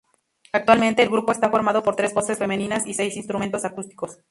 Actualmente el grupo está formado por tres voces femeninas y seis instrumentos acústicos.